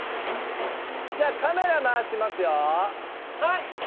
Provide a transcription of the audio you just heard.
じゃあカメラ回しますよはい！